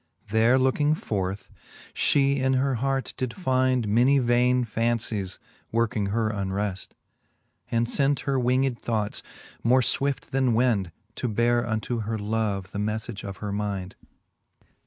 There looking forth, fhe in her heart did find Many vaine fancies, working her unreft ; And lent her winged thoughts, more fwift then wind, To beare unto her love the melTage of her mind.